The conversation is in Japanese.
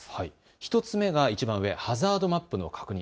１つ目がいちばん上、ハザードマップの確認。